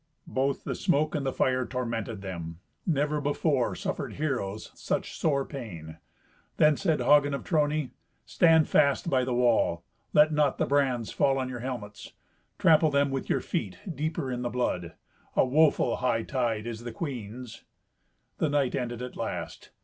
Both the smoke and the fire tormented them. Never before suffered heroes such sore pain. Then said Hagen of Trony, "Stand fast by the wall. Let not the brands fall on your helmets. Trample them with your feet deeper in the blood. A woeful hightide is the queen's." The night ended at last.